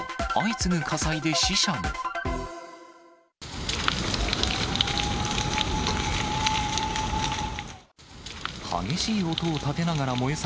相次ぐ火災で死者も。